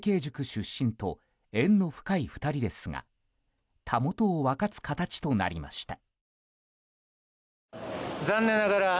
出身と縁の深い２人ですがたもとを分かつ形となりました。